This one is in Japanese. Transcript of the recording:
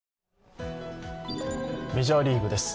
メジャーリーグです。